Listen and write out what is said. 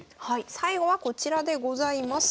最後はこちらでございます。